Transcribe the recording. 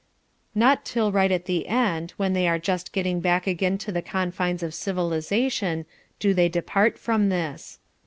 Not till right at the end, when they are just getting back again to the confines of civilization, do they depart from this.